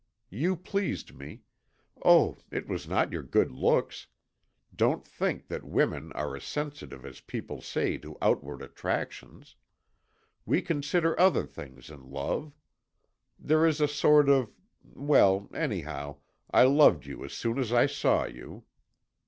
You pleased me.... Oh, it was not your good looks! Don't think that women are as sensitive as people say to outward attractions. We consider other things in love. There is a sort of Well, anyhow I loved you as soon as I saw you."